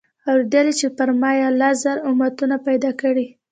اورېدلي چي فرمايل ئې: الله زر امتونه پيدا كړي